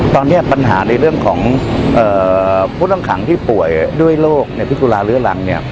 ตอนนี้ปัญหาในเรื่องของผู้ต้องขังที่ป่วยด้วยโรคในพิสุราเรื้อรังเนี่ย